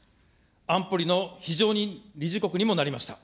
安保理の非常任理事国にもなりました。